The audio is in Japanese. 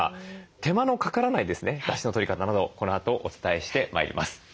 手間のかからないだしのとり方などこのあとお伝えしてまいります。